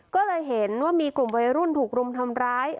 ก็เลยเห็นว่ามีกลุ่มวัยรุ่นถูกรุมทำร้าย